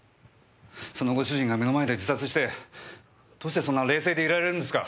そのご主人が目の前で自殺してどうしてそんな冷静でいられるんですか？